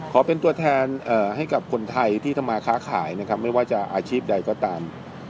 ขอเป็นตัวแทนให้กับคนไทยที่ทำมาค้าขายนะครับไม่ว่าจะอาชีพใดก็ตาม